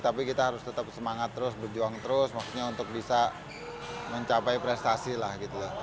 tapi kita harus tetap semangat terus berjuang terus maksudnya untuk bisa mencapai prestasi lah gitu ya